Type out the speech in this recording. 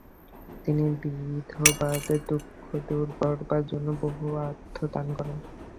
তিনি বিধবাদের দুংখ দূর করবার জন্য বহু অর্থ দান করেন।